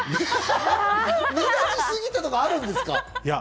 目立ちすぎたとか、あるんですか？